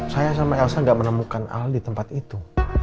saya sama elsa tidak menemukan al di tempat itu